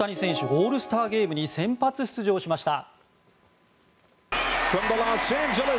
オールスターゲームに先発出場しました。